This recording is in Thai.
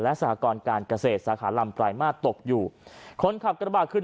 และสหกรการเกษตรสาขาลำปลายมาตรตกอยู่คนขับกระบาดขึ้น